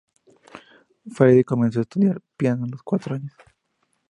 Frade comenzó a estudiar piano a los cuatro años.